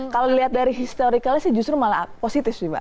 kalau dilihat dari historicalnya sih justru malah positif sih pak